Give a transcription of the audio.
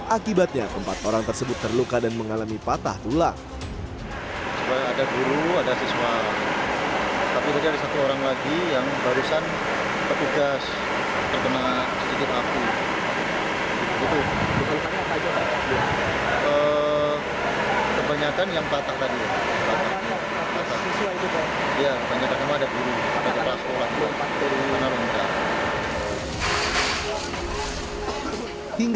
akibatnya empat orang tersebut terluka dan mengalami patah tulang